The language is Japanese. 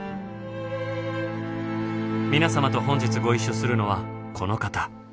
皆様と本日ご一緒するのはこの方。